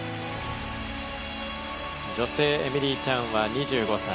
女性エミリー・チャンは２５歳。